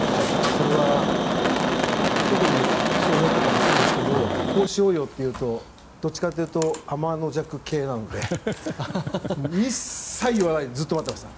それは特に翔平なんかもそうですけどこうしようよと言うとどちらかというとアマノジャク系なので一切言わないでずっと待ってました。